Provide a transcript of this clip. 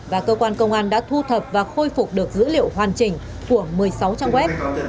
và cơ quan công an đã thu thập và khôi phục được dữ liệu hoàn chỉnh của một mươi sáu trang web